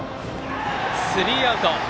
スリーアウト。